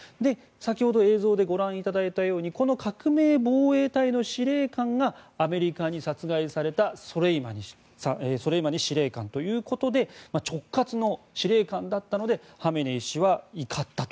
先ほど映像でご覧いただいたようにこの革命防衛隊の司令官がアメリカに殺害されたソレイマニ司令官ということで直轄の司令官だったのでハメネイ師は怒ったと。